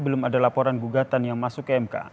belum ada laporan gugatan yang masuk ke mk